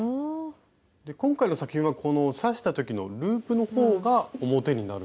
今回の作品はこの刺した時のループのほうが表になる？